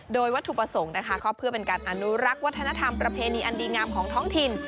โดยวัตถุประสงค์นะคะก็เพื่อเป็นการอนุรักษ์วัฒนธรรมประเพณีอันดีงามของท้องถิ่น